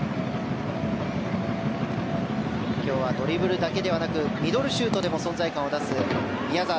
今日はドリブルだけではなくミドルシュートでも存在感を出した宮澤。